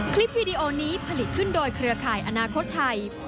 คลิปวีดีโอนี้ผลิตขึ้นโดยเครือข่ายอนาคตไทย